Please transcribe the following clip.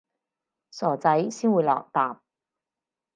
傻仔先會落疊